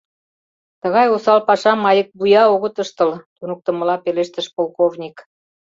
— Тыгай осал пашам айыквуя огыт ыштыл, — туныктымыла пелештыш полковник.